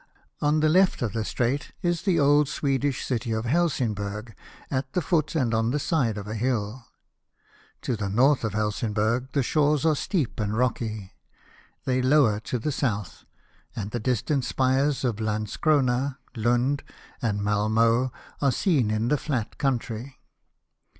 On the left of the strait is the old Swedish city of Helsingburg, at the foot, and on the side of a hill. To the north of Helsingburg the shores are steep and rocky : they lower to the south, COPENHAGEN. 221 and the distant spires of Landscrona, Lund., and Mai moe, are seen in the flat country.